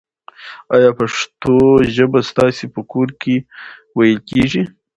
آیا پښتو ژبه ستاسو په کور کې ویل کېږي؟